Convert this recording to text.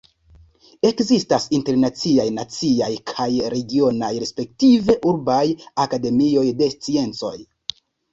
Ekzistas internaciaj, naciaj kaj regionaj respektive urbaj Akademioj de Sciencoj.